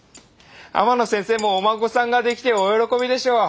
天野先生もお孫さんが出来てお喜びでしょう。